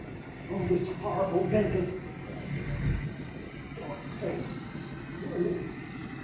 "Oh, this horrible Benton!" cried the woman. "Don't faint... Hear me.